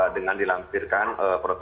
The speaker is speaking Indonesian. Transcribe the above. dengan dilampirkan protokolnya